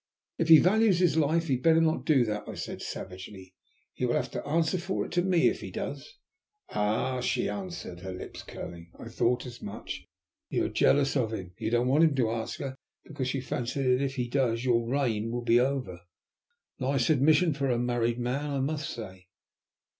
"If he values his life he'd better not do that!" I said savagely. "He will have to answer for it to me if he does!" "Ah," she answered, her lips curling, "I thought as much. You are jealous of him. You don't want him to ask her because you fancy that if he does your reign will be over. A nice admission for a married man, I must say!"